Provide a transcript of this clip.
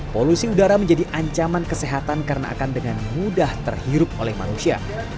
polusi udara menjadi ancaman kesehatan karena akan dengan mudah terhirup oleh manusia